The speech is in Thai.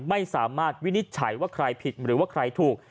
ไม่สามารถวินิจฉัยว่าใครผิดหรือว่าใครถูก